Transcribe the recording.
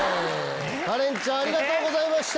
カレンちゃんありがとうございました！